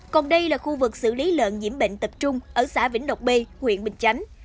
còn đây là khu vực xử lý lợn nhiễm bệnh tập trung ở xã vĩnh lộc b huyện bình chánh